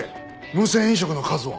無銭飲食の数は？